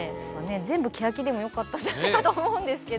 全部ケヤキでもよかったんじゃないかと思うんですけど。